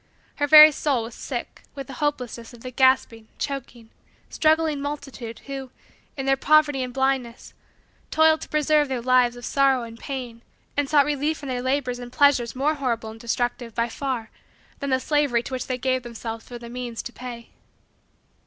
Her very soul was sick with the hopelessness of the gasping, choking, struggling, multitude who, in their poverty and blindness, toiled to preserve their lives of sorrow and pain and sought relief from their labors in pleasures more horrible and destructive, by far, than the slavery to which they gave themselves for the means to pay.